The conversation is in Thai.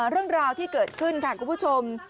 เรื่องราวที่เกิดขึ้นค่ะคุณผู้ชม